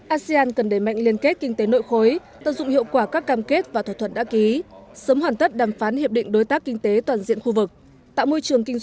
asean cần đẩy mạnh liên kết kinh tế nội khối tận dụng hiệu quả các cam kết và thỏa thuận đã ký